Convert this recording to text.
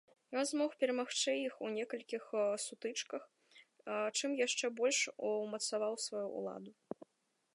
Ён змог перамагчы іх у некалькіх сутычках, чым яшчэ больш умацаваў сваю ўладу.